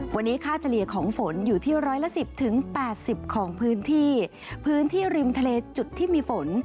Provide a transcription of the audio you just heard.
วันนี้ค่าเฉลี่ยของฝนอยู่ที่ร้อยละสิบถึงแปดสิบของพื้นที่พื้นที่ริมทะเลจุดที่มีฝน